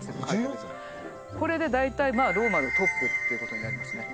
これで大体ローマのトップっていうことになりますね。